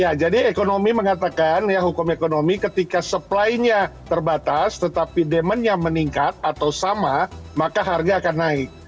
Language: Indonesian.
ya jadi ekonomi mengatakan ya hukum ekonomi ketika supply nya terbatas tetapi demandnya meningkat atau sama maka harga akan naik